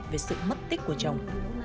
về sự mất tích của chồng